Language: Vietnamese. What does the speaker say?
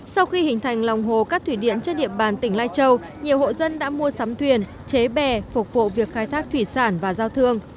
sau khi hình thành lòng hồ các thủy điện trên địa bàn tỉnh lai châu nhiều hộ dân đã mua sắm thuyền chế bè phục vụ việc khai thác thủy sản và giao thương